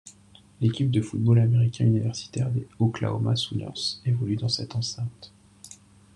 L'équipe de football américain universitaire des Oklahoma Sooners évolue dans cette enceinte.